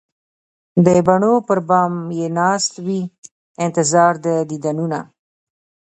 د بڼو پر بام یې ناست وي انتظار د دیدنونه